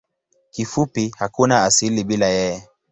Kifupi hakuna asili bila yeye.